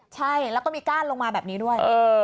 ใช่แล้วก็มีก้านลงมาแบบนี้ด้วย